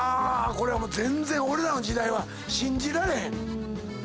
これはもう全然俺らの時代は信じられん。